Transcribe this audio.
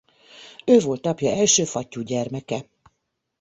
Ő volt apja első fattyú gyermeke.